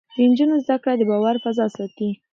د نجونو زده کړه د باور فضا ساتي.